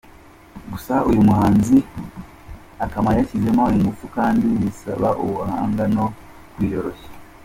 Gusa uyu muhanzi akama yashyizemo ingufu kandi bisaba ubuhanga no kwiyoroshya.